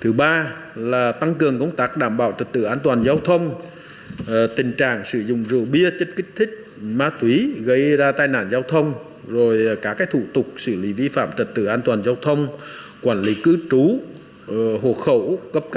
thứ ba là tăng cường công tác đảm bảo trật tự an toàn giao thông tình trạng sử dụng rượu bia chất kích thích ma túy gây ra tai nạn giao thông các thủ tục xử lý vi phạm trật tự an toàn giao thông quản lý cư trú hộ khẩu cấp căn